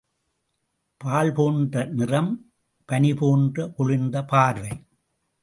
பால் போன்ற நிறம், பனி போன்ற குளிர்ந்த பார்வை.